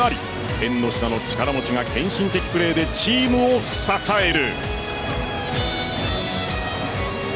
縁の下の力持ちが献身的プレーでチームを支える。